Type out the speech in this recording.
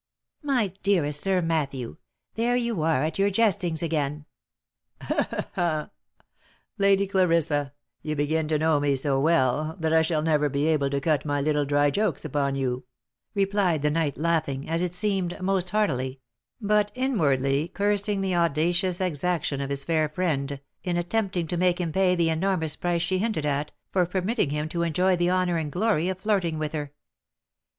"My dearest Sir Matthew! there you are at your jestings again." "Ha! ha! ha! Lady Clarissa, you begin to know me so well, that I shall never be able to cut my little dry jokes upon you," re plied the knight laughing, as it seemed, most heartily, but inwardly cursing the audacious exaction of his fair friend, in attempting to make him pay the enormous price she hinted at, for permitting him to enjoy the honour and glory of flirting with her.